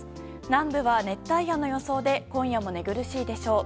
南部は熱帯夜の予想で今夜も寝苦しいでしょう。